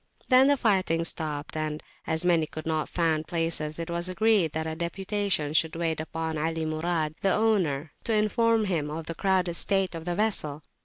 Then the fighting stopped, and, as many could not find places, it was agreed that a deputation should wait upon Ali Murad, the owner, to inform him of the crowded state of the vessel.